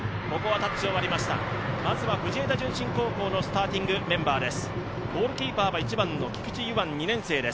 まずは藤枝順心高校のスターティングメンバーです。